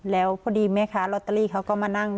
แล้วพอดีแม่ค้าลอตเตอรี่เขาก็มานั่ง